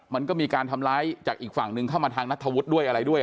มันก็มีการทำร้ายจากอีกฝั่งหนึ่งเข้ามาทางนัทธวุฒิด้วยอะไรด้วย